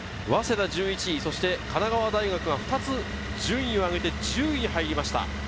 早稲田１１位、神奈川大学は２つ順位を上げて１０位に入りました。